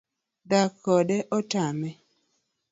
Dak kode otame